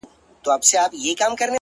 په خيال كي ستا سره ياري كومه،